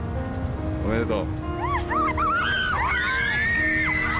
おめでとう。